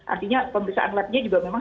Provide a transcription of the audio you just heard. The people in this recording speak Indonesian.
artinya pemeriksaan labnya juga memang